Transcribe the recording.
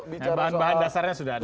nah bahan bahan dasarnya sudah ada